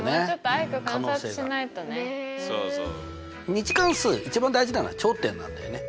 ２次関数一番大事なのは頂点なんだよね。